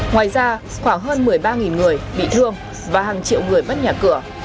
ngoài ra khoảng hơn một mươi ba người bị thương và hàng triệu người mất nhà cửa